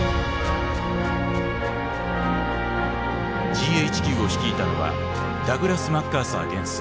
ＧＨＱを率いたのはダグラス・マッカーサー元帥。